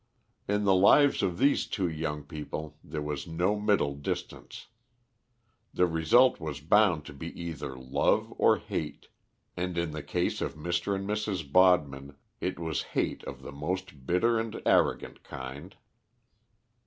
In the lives of these two young people there was no middle distance. The result was bound to be either love or hate, and in the case of Mr. and Mrs. Bodman it was hate of the most bitter and arrogant kind.